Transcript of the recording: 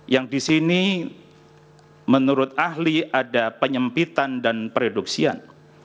yang di sini menurut ahli ada penyempitan dan pereduksian